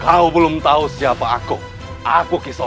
kau belum tahu siapa kau berteriak teriak di wilayah